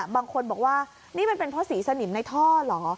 บางคนบอกว่านี่มันเป็นเพราะสีสนิมในท่อเหรอ